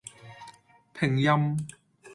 拼音